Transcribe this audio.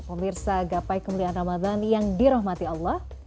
pemirsa gapai kemuliaan ramadan yang dirahmati allah